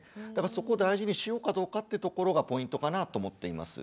そこを大事にしようかどうかってところがポイントかなと思っています。